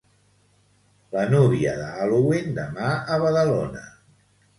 La núvia de Halloween demà a Badalona.